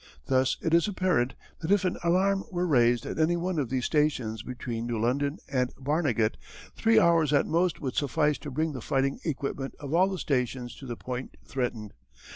Thus it is apparent that if an alarm were raised at any one of these stations between New London and Barnegat three hours at most would suffice to bring the fighting equipment of all the stations to the point threatened.